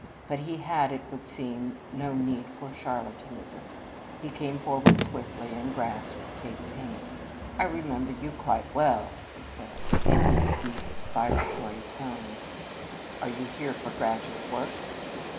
But he had, it would seem, no need for charlatanism. He came forward swiftly and grasped Kate's hand. "I remember you quite well," he said in his deep, vibratory tones. "Are you here for graduate work?"